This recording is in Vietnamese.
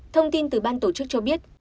thông tin từ ban tổ chức cho biết